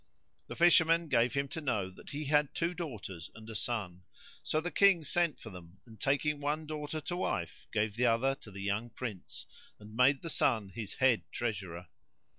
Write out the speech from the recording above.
The Fisherman gave him to know that he had two daughters and a son, so the King sent for them and, taking one daughter to wife, gave the other to the young Prince and made the son his head treasurer.